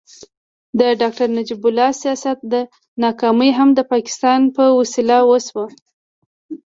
د ډاکټر نجیب الله د سیاست ناکامي هم د پاکستان په وسیله وشوه.